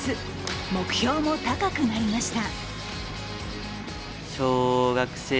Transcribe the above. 目標も高くなりました。